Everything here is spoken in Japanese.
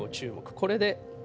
これで。